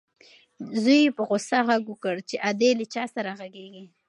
زوی یې په غوسه غږ وکړ چې ادې له چا سره غږېږې؟